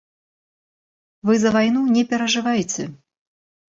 Вы за вайну не перажывайце.